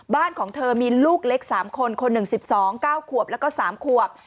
บ้านของเธอมีลูกเล็ก๓คนคนหนึ่ง๑๒๙ขวบแล้วก็๓ขวบ